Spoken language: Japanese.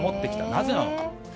なぜなのか？